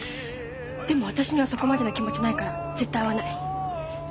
でも私にはそこまでの気持ちないから絶対会わない。